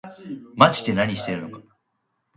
まぢで何してるのか